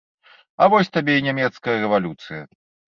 А вось табе і нямецкая рэвалюцыя!